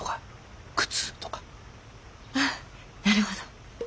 ああなるほど。